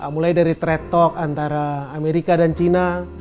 mulai dari trade talk antara amerika dan china